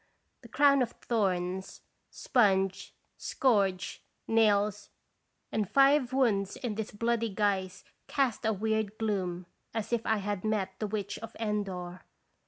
The crown of thorns, sponge, scourge, nails, and five wounds in this bloody guise cast a weird gloom as if I had met the Witch of Endor.